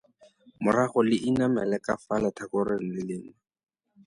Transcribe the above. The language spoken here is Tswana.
Morago le inamele ka fa letlhakoreng le lengwe.